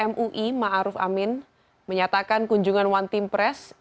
ketua mui yang juga rais aam pbnu ma'aruf amin menyatakan kunjungan one team press